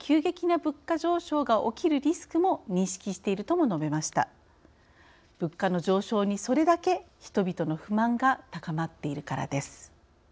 物価の上昇にそれだけ人々の不満が高まっているからです。